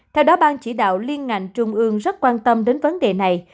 theo đó bang chỉ đạo liên ngành trung ương rất quan tâm đến vấn đề này